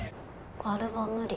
ガルバ無理。